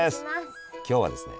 今日はですね